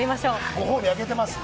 ご褒美あげてますか？